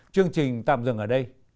chương trình tạm dừng ở đây